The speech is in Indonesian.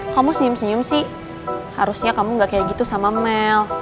kamu senyum senyum sih harusnya kamu gak kayak gitu sama mel